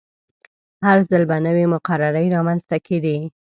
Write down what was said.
هر ځل به نوې مقررې رامنځته کیدې.